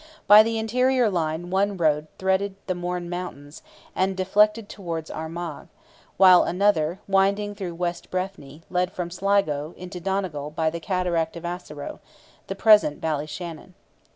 By the interior line one road threaded the Mourne mountains, and deflected towards Armagh, while another, winding through west Breffni, led from Sligo into Donegal by the cataract of Assaroe,—the present Ballyshannon.